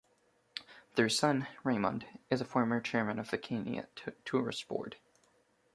Their son, Raymond, is a former chairman of the Kenya Tourist Board.